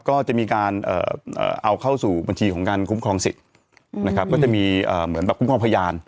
ก็จะมีการเอาเข้าสู่บัญชีของการคุ้มครองสิทธิ์นะครับก็จะมีเหมือนแบบคุ้มครองพยาน